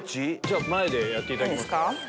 前でやっていただけますか。